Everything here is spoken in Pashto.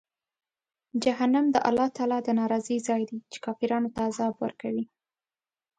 جهنم د الله تعالی د ناراضۍ ځای دی، چې کافرانو ته عذاب ورکوي.